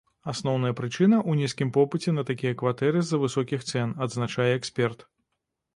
Асноўная прычына ў нізкім попыце на такія кватэры з-за высокіх цэн, адзначае эксперт.